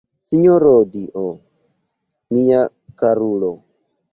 Sinjoro Dio, mia karulo!